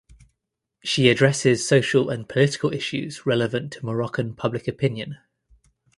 She addresses social and political issues relevant to Moroccan public opinion.